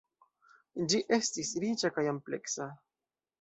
Ĝi estis riĉa kaj ampleksa.